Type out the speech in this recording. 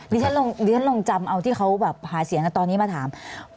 เดี๋ยวฉันลองจำเอาที่เขาหาเสียงตอนนี้มาถาม